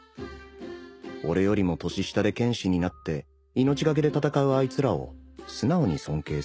俺よりも年下で剣士になって命懸けで戦うあいつらを素直に尊敬する